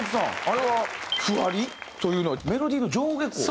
あれは譜割りというのはメロディーの上下行？